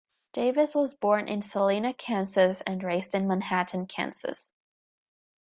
Davis was born in Salina, Kansas, and raised in Manhattan, Kansas.